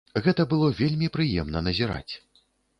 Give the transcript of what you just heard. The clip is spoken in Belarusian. Гэта было вельмі прыемна назіраць.